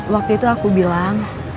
waktu itu aku bilang